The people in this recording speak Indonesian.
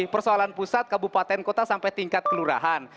persoalan pusat kabupaten kota sampai tingkat kelurahan